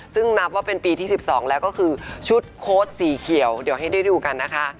ซึ่งนับว่าเป็นปีที่๑๒แล้วก็คือชุดโค้ดสีเขียวเดี๋ยวให้ได้ดูกันนะคะ